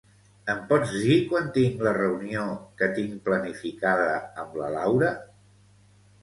Em pots dir quan tinc la reunió que tinc planificada amb la Laura?